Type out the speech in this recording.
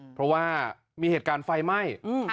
เพราะว่ามีเหตุการณ์ไฟไหม้